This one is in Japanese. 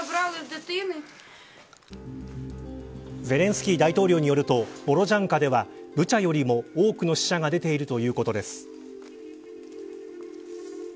ゼレンスキー大統領によるとボロジャンカではブチャよりも多くの死者が出ているということです。